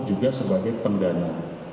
juga sebagai pendana